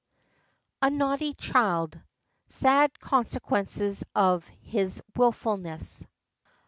A NAUGHTY CHILD. — SAD CONSEQUENCES OF HIS WILFULNESS.